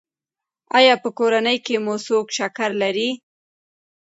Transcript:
ایا په کورنۍ کې مو څوک شکر لري؟